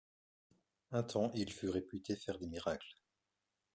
Un temps il fut réputé faire des miracles.